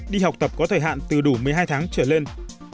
đi học tập có thời hạn từ đủ một mươi hai tháng trở lên